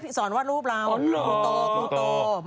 ใช่สอนวาดรูปเราครูโต